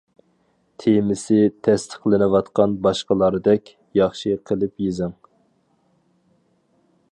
تېمىسى تەستىقلىنىۋاتقان باشقىلاردەك ياخشى قىلىپ يېزىڭ.